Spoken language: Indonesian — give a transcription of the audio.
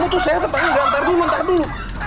kamu tuh sehat apa enggak ntar dulu ntar dulu